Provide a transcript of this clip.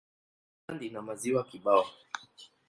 Poland ina maziwa kibao.